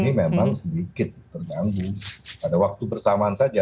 ini memang sedikit terganggu pada waktu bersamaan saja